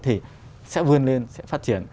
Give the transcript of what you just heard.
thì sẽ vươn lên sẽ phát triển